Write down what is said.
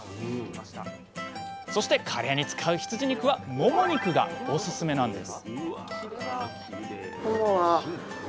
そしてカレーに使う羊肉はもも肉がオススメなんです！